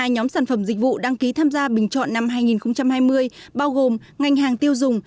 một mươi nhóm sản phẩm dịch vụ đăng ký tham gia bình chọn năm hai nghìn hai mươi bao gồm ngành hàng tiêu dùng